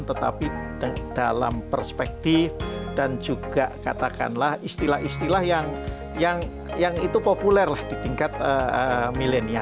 tetapi dalam perspektif dan juga katakanlah istilah istilah yang itu populer di tingkat milenial